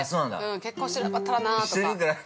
結婚してなかったらなぁとか。